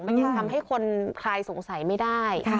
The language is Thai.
มันยังทำให้คนคลายสงสัยไม่ได้